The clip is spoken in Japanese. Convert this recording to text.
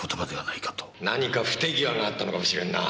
何か不手際があったのかもしれんな。